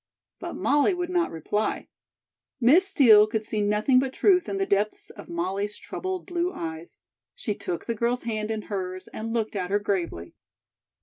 But Molly would not reply. Miss Steel could see nothing but truth in the depths of Molly's troubled blue eyes. She took the girl's hand in her's and looked at her gravely.